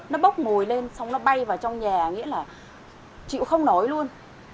nó bốc mùi lên xong nó bay vào trong nhà nghĩa là chịu không nổi luôn